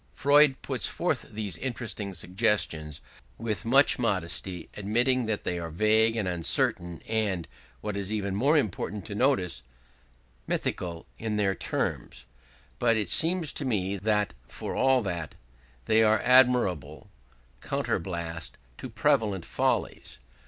Freud puts forth these interesting suggestions with much modesty, admitting that they are vague and uncertain and (what it is even more important to notice) mythical in their terms; but it seems to me that, for all that, they are an admirable counterblast to prevalent follies.